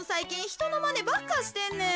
ひとのまねばっかしてんねん。